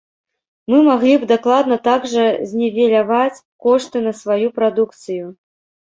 Мы маглі б дакладна так жа знівеляваць кошты на сваю прадукцыю.